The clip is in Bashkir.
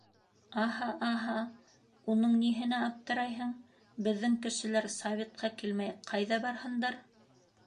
— Аһа, аһа, уның ниһенә аптырайһың, беҙҙең кешеләр Советҡа килмәй, ҡайҙа барһындар?